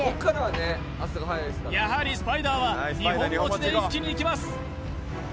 やはりスパイダーは２本持ちで一気にいきます